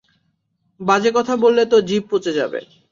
বাজে কথা বললে তোর জিভ পচে যাবে।